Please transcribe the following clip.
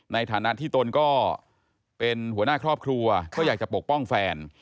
ในฐานะที่ตนก็เป็นหัวหน้าครอบครัวก็อยากจะปกป้องแฟน